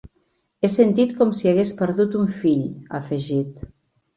“He sentit com si hagués perdut un fill”, ha afegit.